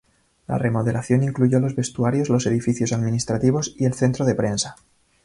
La remodelación incluyó los vestuarios, los edificios administrativos y el centro de prensa.